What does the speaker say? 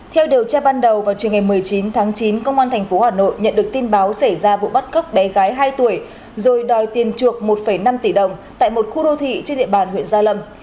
theo điều tra ban đầu vào trường ngày một mươi chín tháng chín công an tp hà nội nhận được tin báo xảy ra vụ bắt cóc bé gái hai tuổi rồi đòi tiền chuộc một năm tỷ đồng tại một khu đô thị trên địa bàn huyện gia lâm